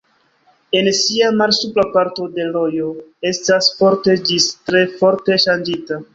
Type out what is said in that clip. En sia malsupra parto la rojo estas forte ĝis tre forte ŝanĝita.